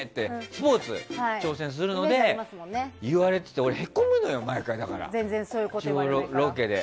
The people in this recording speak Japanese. スポーツ挑戦するので言われていて俺、毎回へこむのよ。地方ロケで。